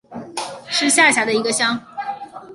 是下辖的一个乡。